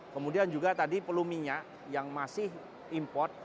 kemudian juga tadi perlu minyak yang masih import